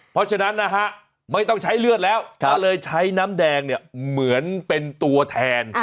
เพราะฉะนั้นนะฮะไม่ต้องใช้เลือดแล้วก็เลยใช้น้ำแดงเนี่ยเหมือนเป็นตัวแทน